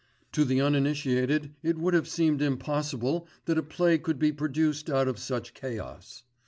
To the uninitiated it would have seemed impossible that a play could be produced out of such chaos.